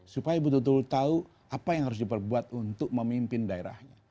supaya betul betul tahu apa yang harus diperbuat untuk memimpin daerahnya